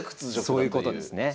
そういうことですね。